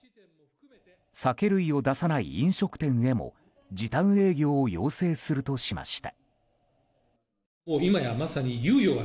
酒類を出さない飲食店へも時短営業を要請するとしました。